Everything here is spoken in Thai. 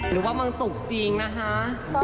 หรือว่ามังตุกจริงนะคะ